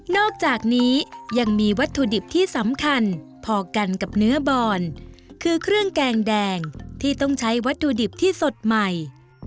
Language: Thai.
อกจากนี้ยังมีวัตถุดิบที่สำคัญพอกันกับเนื้อบอนคือเครื่องแกงแดงที่ต้องใช้วัตถุดิบที่สดใหม่